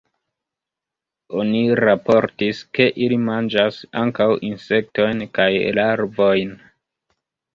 Oni raportis, ke ili manĝas ankaŭ insektojn kaj larvojn.